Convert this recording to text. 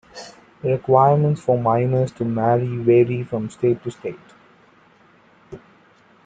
Requirements for minors to marry vary from state to state.